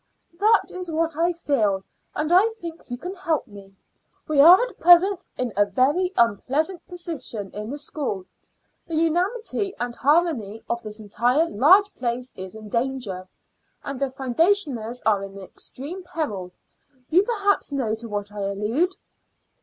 "That is what I feel; and I think you can help me. We are at present in a very unpleasant position in the school. The unanimity and harmony of this entire large place is in danger, and the foundationers are in extreme peril. You perhaps know to what I allude."